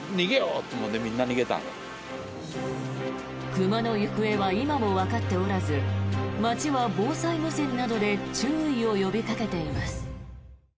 熊の行方は今もわかっておらず町は防災無線などで注意を呼びかけています。